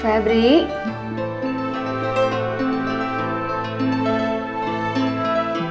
febri berada di atas cungka